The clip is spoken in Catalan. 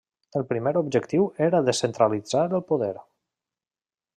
El primer objectiu era descentralitzar el poder.